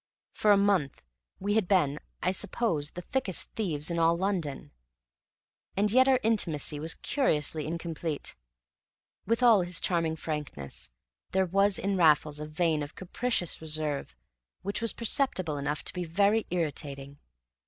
For a month we had been, I suppose, the thickest thieves in all London, and yet our intimacy was curiously incomplete. With all his charming frankness, there was in Raffles a vein of capricious reserve which was perceptible enough to be very irritating.